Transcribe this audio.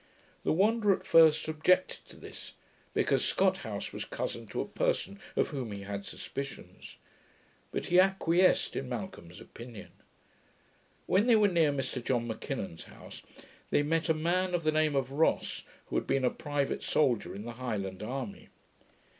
The Wanderer at first objected to this, because Scothouse was cousin to a person of whom he had suspicions. But he acquiesced in Malcolm's opinion. When they were near Mr John M'Kinnon's house, they met a man of the name of Ross, who had been a private soldier in the Highland army.